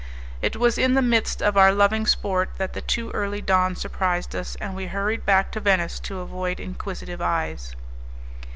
It was in the midst of our loving sport that the too early dawn surprised us, and we hurried back to Venice to avoid inquisitive eyes.